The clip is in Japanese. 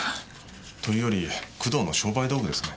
と言うより工藤の商売道具ですね。